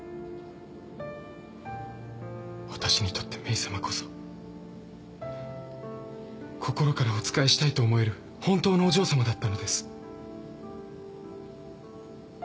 わたしにとってメイさまこそ心からお仕えしたいと思える本当のお嬢さまだったのです。